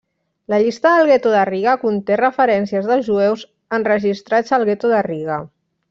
La llista del gueto de Riga conté referències dels jueus enregistrats al gueto de Riga.